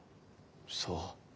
そう。